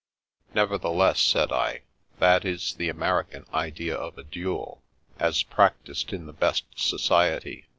" Nevertheless," said I, " that is the American idea of a duel, as practised in the best society.